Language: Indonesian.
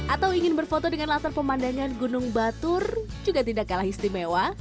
atau ingin berfoto dengan latar pemandangan gunung batur juga tidak kalah istimewa